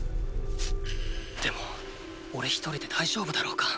でもおれ一人で大丈夫だろうか？